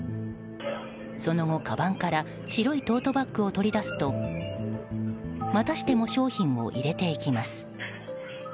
その後、かばんから白いトートバッグを取り出すとまたしても商品を入れていきます。